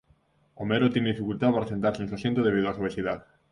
Homero tiene dificultad para sentarse en su asiento debido a su obesidad.